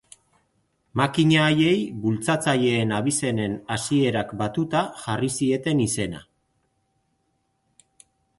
Makina haiei bultzatzaileen abizenen hasierak batuta jarri zieten izena.